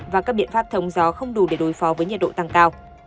và các biện pháp thống gió không đủ để đối phó với nhiệt độ tăng cao